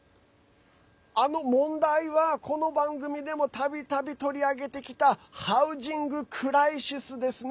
問題は、この番組でもたびたび取り上げてきたハウジングクライシスですね。